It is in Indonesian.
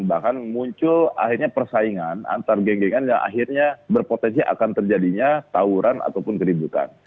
bahkan muncul akhirnya persaingan antar geng gengan yang akhirnya berpotensi akan terjadinya tawuran ataupun keributan